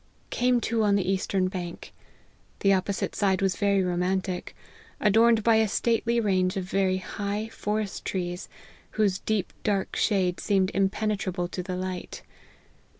Came to on the eastern bank. The opposite side was very romantic ; adorned with a stately range of very high forest trees, whose deep dark shade seemed impenetrable to the light.